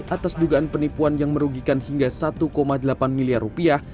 atas dugaan penipuan yang merugikan hingga satu delapan miliar rupiah